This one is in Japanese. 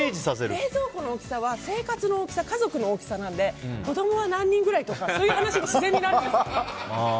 冷蔵庫の大きさは生活の大きさ家族の大きさなので子供は何人ぐらいとかってそういう話に自然になるんです。